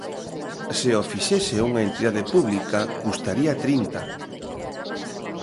Se o fixese unha entidade pública, custaría trinta.